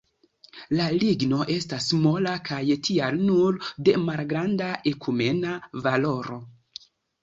La ligno estas mola kaj tial nur de malgranda ekumena valoro.